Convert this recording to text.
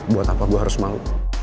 buat apa gue harus mau